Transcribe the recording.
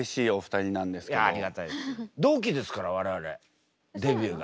同期ですから我々デビューが。